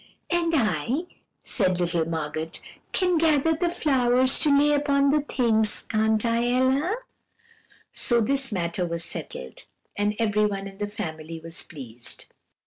"'And I,' said little Margot, 'can gather the flowers to lay upon the things can't I, Ella?' "So this matter was settled, and everyone in the family was pleased.